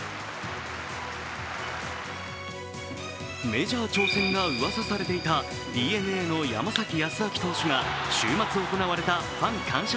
メジャー挑戦がうわさされていたＤｅＮＡの山崎康晃投手が週末行われたファン感謝